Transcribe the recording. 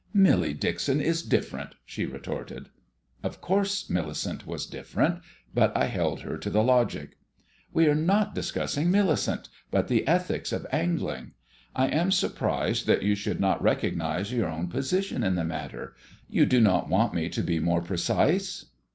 "Millie Dixon is different," she retorted. Of course Millicent was different, but I held her to the logic. "We are not discussing Millicent, but the ethics of angling. I am surprised that you should not recognise your own position in the matter. You do not want me to be more precise?"